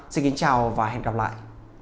xin kính chào và hẹn gặp lại